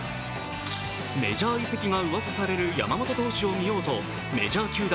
メジャー移籍がうわさされる山本投手を見ようとメジャー球団